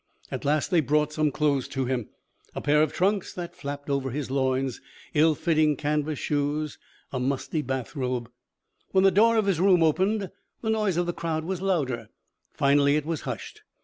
At last they brought some clothes to him. A pair of trunks that flapped over his loins, ill fitting canvas shoes, a musty bath robe. When the door of his room opened, the noise of the crowd was louder. Finally it was hushed.